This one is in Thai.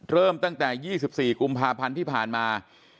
เริ่มตั้งแต่๒๔กุมภาพันธ์ที่ผ่านมา